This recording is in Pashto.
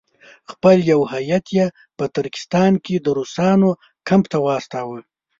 خپل یو هیات یې په ترکستان کې د روسانو کمپ ته واستاوه.